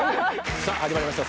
さぁ始まりました